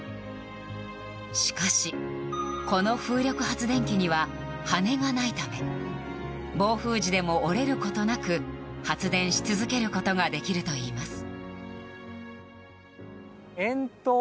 しかし、この風力発電機には羽根がないため暴風時でも折れることなく発電し続けることができるといいます。